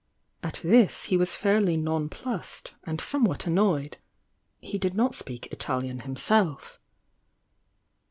At this he was fairly non plussed and somewhat annoyed— he did not speak Italian hunself